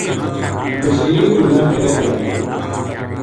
بشیر مَنا ڈیرے لے آیو